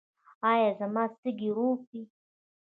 ایا زما سږي روغ دي؟